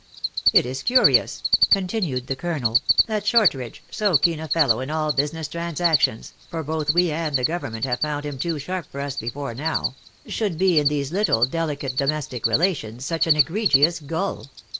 " It is curious," continued the colonel, " that Short ridge, so keen a fellow in all business transactions (for both we and the government have found him too sharp for us before now), should be in these little delicate domestic relations such an egregious gull.